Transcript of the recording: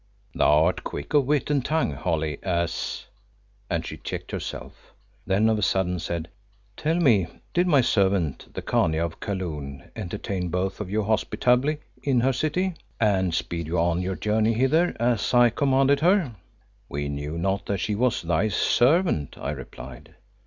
"Thou art quick of wit and tongue, Holly, as " and she checked herself, then of a sudden, said, "Tell me, did my servant the Khania of Kaloon entertain both of you hospitably in her city, and speed you on your journey hither, as I commanded her?" "We knew not that she was thy servant," I replied.